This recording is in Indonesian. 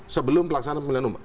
sebelum pelaksanaan pemilihan umum